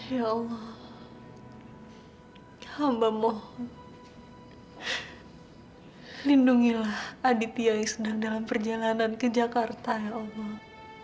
ya allah hamba mohon lindungilah adityai sedang dalam perjalanan ke jakarta ya allah